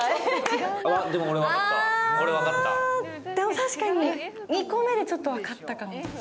確かに、２個目でちょっと分かったかも。